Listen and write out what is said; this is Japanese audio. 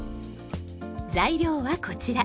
材料はこちら。